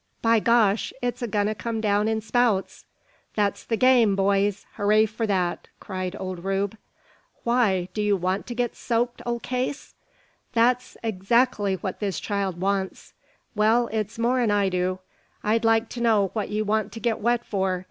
"By gosh! it's a goin' to come down in spouts." "That's the game, boyees! hooray for that!" cried old Rube. "Why? Do you want to git soaked, old case?" "That's adzactly what this child wants." "Well, it's more 'n I do. I'd like to know what ye want to git wet for.